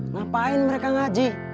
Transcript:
ngapain mereka ngaji